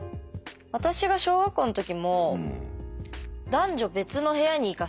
私が小学校の時も男女別の部屋に行かされて。